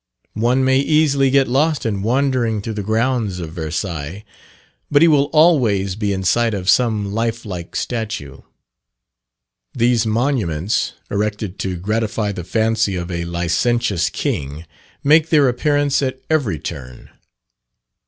One may easily get lost in wandering through the grounds of Versailles, but he will always be in sight of some life like statue. These monuments, erected to gratify the fancy of a licentious king, make their appearance at every turn.